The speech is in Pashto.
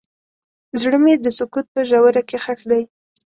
زړه مې د سکوت په ژوره کې ښخ دی.